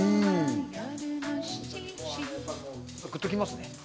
グッときますね。